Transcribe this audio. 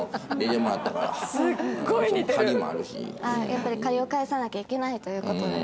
やっぱり借りを返さなきゃいけないという事で。